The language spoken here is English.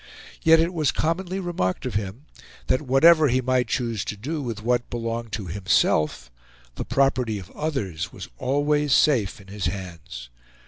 Yet it was commonly remarked of him, that whatever he might choose to do with what belonged to himself, the property of others was always safe in his hands.